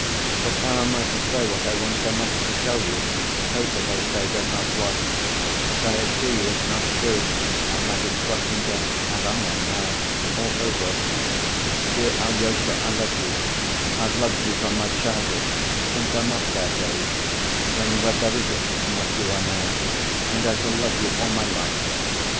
But how am I to say what I want so much to tell you? Paper, they say, does not blush, but I assure you it's not true and that it's blushing just as I am now, all over. Dear Alyosha, I love you, I've loved you from my childhood, since our Moscow days, when you were very different from what you are now, and I shall love you all my life.